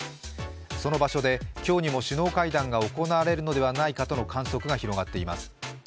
その場所で、今日にも首脳会談が行われるのではないかとの観測が広がっています。